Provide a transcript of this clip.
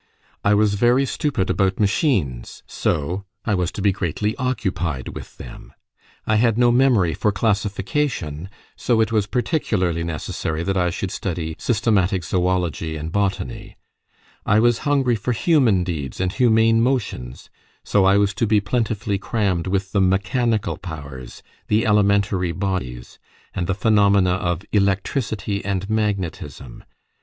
I was very stupid about machines, so I was to be greatly occupied with them; I had no memory for classification, so it was particularly necessary that I should study systematic zoology and botany; I was hungry for human deeds and humane motions, so I was to be plentifully crammed with the mechanical powers, the elementary bodies, and the phenomena of electricity and magnetism.